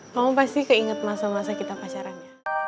kamu pasti keinget masa masa kita pacarannya